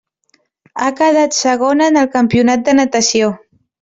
Ha quedat segona en el campionat de natació.